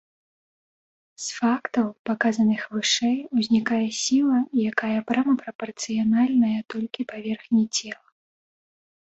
З фактаў, паказаных вышэй, узнікае сіла, якая прама прапарцыянальная толькі паверхні цела.